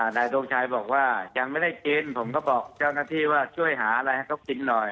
นายทงชัยบอกว่ายังไม่ได้กินผมก็บอกเจ้าหน้าที่ว่าช่วยหาอะไรให้เขากินหน่อย